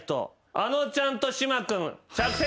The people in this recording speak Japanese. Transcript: あのちゃんと島君着席！